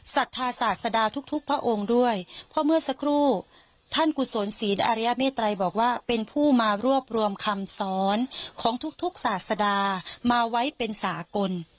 ศรัทธาศาสดาทุกทุกพระองค์ด้วยเพราะเมื่อสักครู่ท่านกุศลศีลอาริยเมตรัยบอกว่าเป็นผู้มารวบรวมคำสอนของทุกศาสดามาไว้เป็นสากล